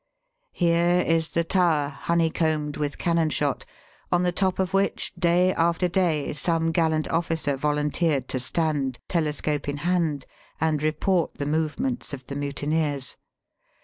Here is the tower, honeycombed with cannon shot, on the top of which day after day some gallant oflBcer volunteered to stand, telescope in hand, and report the movements of the mutineers.